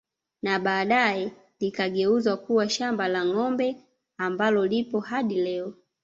Na baadae likageuzwa kuwa shamba la Ngâombe ambalo lipo hadi leo